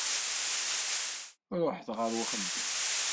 Ṛuḥet ɣer uxeddim.